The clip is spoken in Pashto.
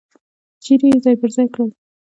چیرې یې ځای پر ځای کړل.